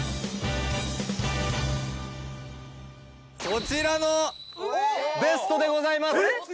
こちらのベストでございますえっ？